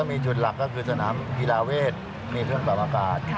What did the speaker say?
มีจุดหลักก็คือสนามกีฬาเวทมีเครื่องปรับอากาศ